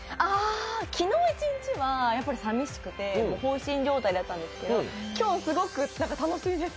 昨日一日は寂しくて放心状態だったんですけど、今日、すごく楽しいです。